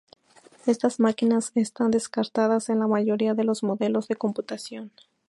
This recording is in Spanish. Estas máquinas están descartadas en la mayoría de los modelos de computación.